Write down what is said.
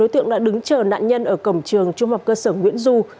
bốn đối tượng đã đứng chờ nạn nhân ở cổng trường trung học cơ sở nguyễn duyên